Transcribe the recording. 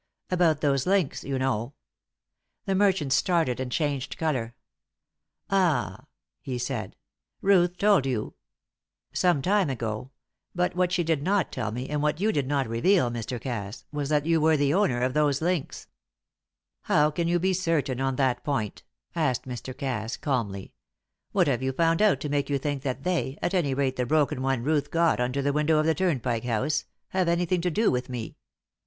"About those links, you know " The merchant started and changed colour. "Ah!" he said. "Ruth told you?" "Some time ago; but what she did not tell me, and what you did not reveal, Mr. Cass, was that you were the owner of those links." "How can you be certain on that point?" asked Mr. Cass, calmly. "What have you found out to make you think that they at any rate the broken one Ruth got under the window of the Turnpike House have anything to do with me?